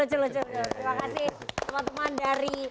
terima kasih teman teman dari